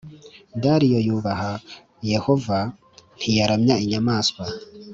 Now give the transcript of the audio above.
Dariyo yubaha Yehova ntiyaramya Inyamaswa